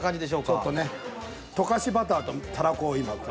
ちょっとね溶かしバターとたらこを今こう。